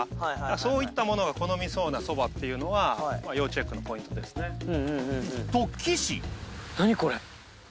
そういったものが好みそうなそばっていうのは要チェックのポイントですね。と岸！